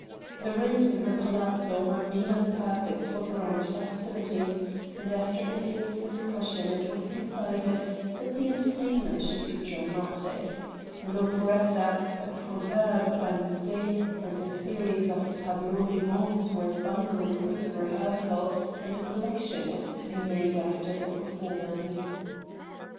The rooms in her Palazzo were made on purpose for grand festivities, and after endless discussion it was decided that the entertainment should be dramatic. An Operetta, a Proverbe by Musset, and a series of Tableaux Vivants were finally put in rehearsal and a collection was to be made after the performance.